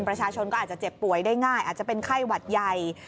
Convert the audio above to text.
ประชาชนก็อาจจะเจ็บป่วยได้ง่ายอาจจะเป็นไข้หวัดใหญ่